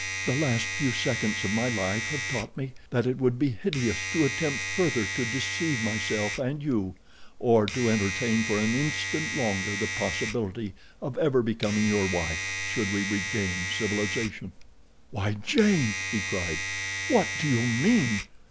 "The last few seconds of my life have taught me that it would be hideous to attempt further to deceive myself and you, or to entertain for an instant longer the possibility of ever becoming your wife, should we regain civilization." "Why, Jane," he cried, "what do you mean?